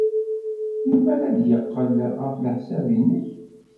Melmi ara d-yeqqel, ɣef leḥsab-nnek?